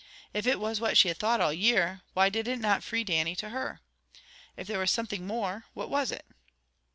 If it was what she had thought all year, why did it not free Dannie to her? If there was something more, what was it?